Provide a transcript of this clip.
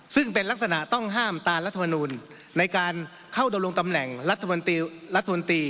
ซึ่งเป็นลักษณะต้องห้ามตามรัฐมนูลในการเข้าดำรงตำแหน่งรัฐมนตรี